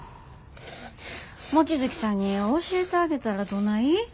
望月さんに教えてあげたらどない？